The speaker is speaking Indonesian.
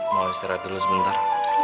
mau istirahat dulu sebentar